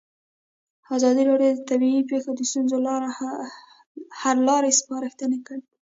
ازادي راډیو د طبیعي پېښې د ستونزو حل لارې سپارښتنې کړي.